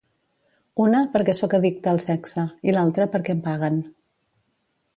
Una, perquè sóc addicta al sexe, i l'altra perquè em paguen.